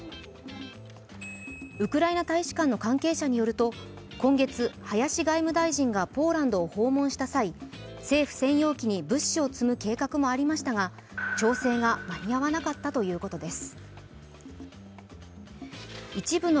ウクライナ大使館の関係者によると今月、林外務大臣がポーランドを訪問した際政府専用機に物資を積む計画もありましたが調整が間に合わなかったということです。